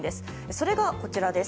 それが、こちらです。